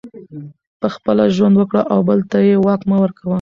پخپله ژوند وکړه او بل ته یې واک مه ورکوه